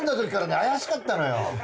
怪しかったのよ。